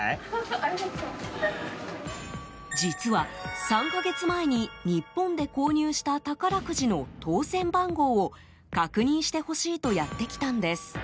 実は、３か月前に日本で購入した宝くじの当選番号を確認してほしいとやってきたんです。